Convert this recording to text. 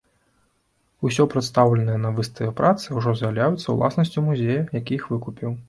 Усё прадстаўленыя на выставе працы ўжо з'яўляюцца ўласнасцю музея, які іх выкупіў.